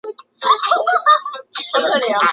冲绳县的县名取自于冲绳本岛。